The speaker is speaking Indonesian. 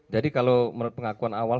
jadi kalau menurut pengakuan awal